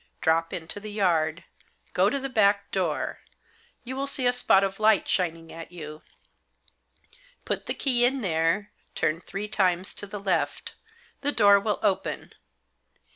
Drop into the yard. Go to the backdoor. You will see a spot of light shining at you. Put the key in there. Turn three times to the left The door will open.